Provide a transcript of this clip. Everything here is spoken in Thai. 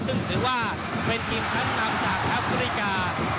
ซึ่งถือว่าเป็นทีมชั้นนำจากแอฟริกา